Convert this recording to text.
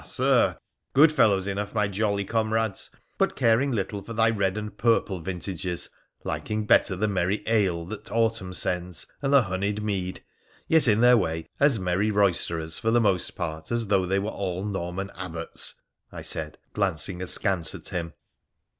Sir, good fellows enough my jolly comrades, but caring little for thy red and purple vintages, liking better the merry ale that autumn sends, and the honeyed mead, yet in their way as merry roysterers for the most part as though they were all Norman Abbots,' I said, glancing askance at him.